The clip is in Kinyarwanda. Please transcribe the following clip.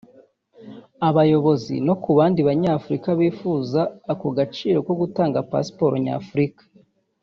abayobozi no ku bandi banyafurika bifuza ako gaciro ko gutunga pasiporo Nyafurika